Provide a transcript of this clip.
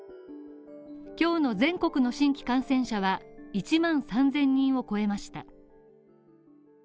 今日の全国の新規感染者は１万３０００人を超えました。